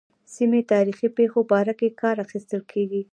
سیمې تاریخي پېښو په باره کې کار اخیستل کېږي.